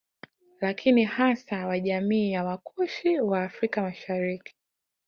Lakini hasa wa jamii ya Wakushi wa Afrika Mashariki